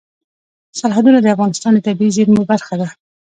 سرحدونه د افغانستان د طبیعي زیرمو برخه ده.